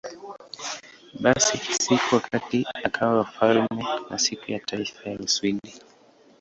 Basi, siku wakati akawa wafalme ni Siku ya Taifa ya Uswidi.